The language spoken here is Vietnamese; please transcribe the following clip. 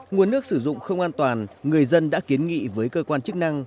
nguồn nước sử dụng không an toàn người dân đã kiến nghị với cơ quan chức năng